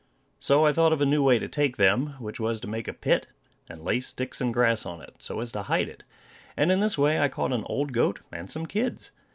So I thought of a new way to take them, which was to make a pit and lay sticks and grass on it, so as to hide it; and in this way I caught an old goat and some kids.